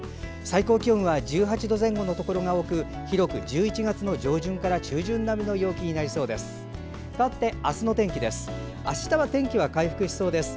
最高気温は１８度前後のところが多く広く１１月上旬から中旬並みの陽気になりそうです。